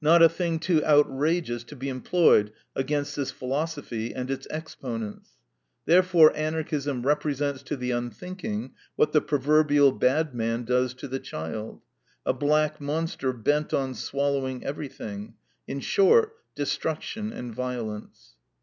Not a thing too outrageous to be employed against this philosophy and its exponents. Therefore Anarchism represents to the unthinking what the proverbial bad man does to the child, a black monster bent on swallowing everything; in short, destruction and violence.